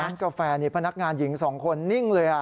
กาแฟนี่พนักงานหญิง๒คนนิ่งเลย